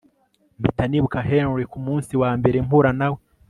mpita nibuka Henry Ku munsi wa mbere mpura nawe